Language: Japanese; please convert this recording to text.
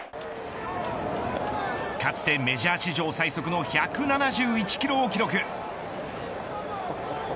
かつてメジャー史上最速の１７１キロを記録。